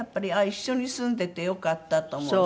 一緒に住んでてよかったと思うし。